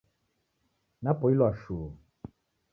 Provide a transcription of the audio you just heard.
Napoilwa shuu.